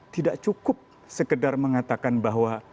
tidak cukup sekedar mengatakan bahwa